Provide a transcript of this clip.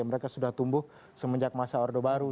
mereka sudah tumbuh semenjak masa orde baru